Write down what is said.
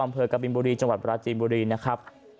อำเภอกับบิลบุรีจังหวัดปราจีนบุรีนะครับ